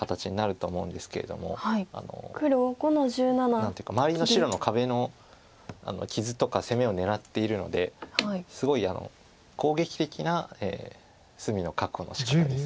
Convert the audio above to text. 何ていうか周りの白の壁の傷とか攻めを狙っているのですごい攻撃的な隅の確保のしかたです。